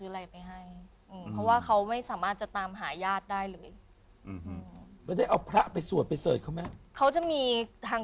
แล้วจะเอาพระส่วนเซิร์คเค้าไหม